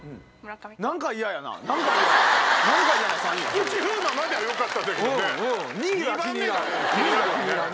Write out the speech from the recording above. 菊池風磨まではよかったけどね。